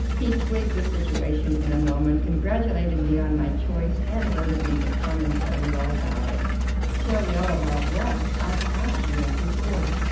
He twigged the situation in a moment, congratulated me on my choice, and ordered me to come and tell you all about it." "Tell me all about what? I've asked you that before."